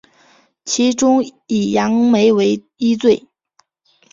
其中以杨梅为一最。